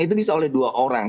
itu bisa oleh dua orang